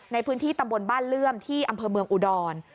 ในพื้นที่ตำบลบ้านเลื่อมที่อำเภอเมืองอุดร